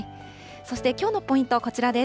そしてきょうのポイントはこちらです。